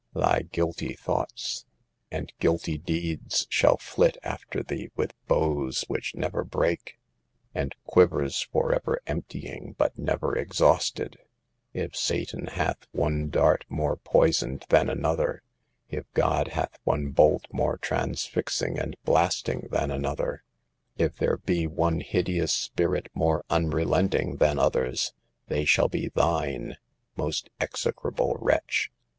Thy guilty thoughts, and guilty deeds shall flit after thee with bows which never break, and quivers forever emptying but never exhausted ! If Satan hath one dart more poisoned than another ; if God hath one bolt more transfixing and blasting than another; if there be one hideous spirit more unrelenting than others, they shall be thine, most execrable wretch